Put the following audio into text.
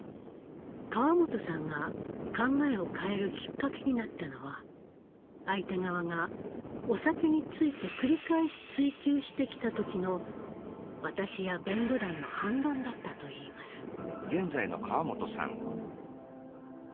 川本さんが考えを変えるきっかけになったのは相手側がお酒について繰り返し追及してきた時の私や弁護団の反論だったといいます。